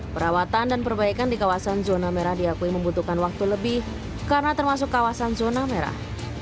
perawatan dan perbaikan di kawasan zona merah diakui membutuhkan waktu lebih karena termasuk kawasan zona merah